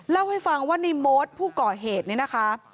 เล่าให้ฟังว่าในโมดผู้ก่อเหตุเนี่ยนะคะ